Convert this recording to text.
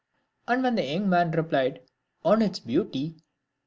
And when the young man replied, " On its beauty."